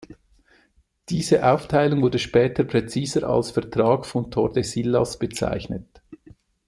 Diese Aufteilung wurde später präziser als Vertrag von Tordesillas bezeichnet.